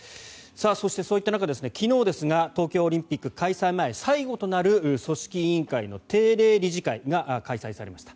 そして、そういった中昨日ですが東京オリンピック開催前最後となる組織委員会の定例理事会が開催されました。